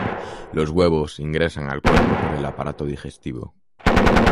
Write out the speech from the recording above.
Los huevos ingresan al cuerpo por el aparato digestivo.